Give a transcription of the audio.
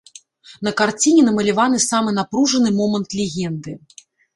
На карціне намаляваны самы напружаны момант легенды.